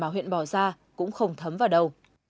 huyện bỏ ra cũng không thấm vào đầu